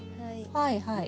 はいはい。